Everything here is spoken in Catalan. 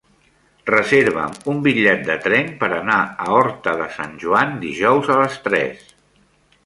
Reserva'm un bitllet de tren per anar a Horta de Sant Joan dijous a les tres.